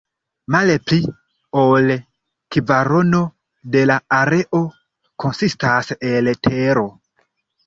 Malpli ol kvarono de la areo konsistas el tero.